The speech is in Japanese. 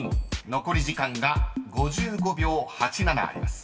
残り時間が５５秒８７あります］